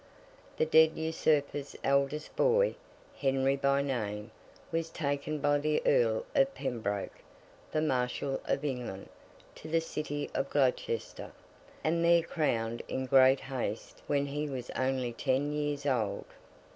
The dead Usurper's eldest boy, Henry by name, was taken by the Earl of Pembroke, the Marshal of England, to the city of Gloucester, and there crowned in great haste when he was only ten years old.